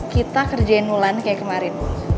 kita kerjain mulan kayak kemarin